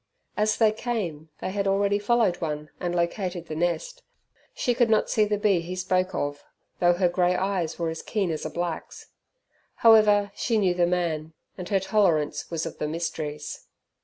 As they came, they had already followed one and located the nest. She could not see the bee he spoke of, though her grey eyes were as keen as a black's. However, she knew the man, and her tolerance was of the mysteries.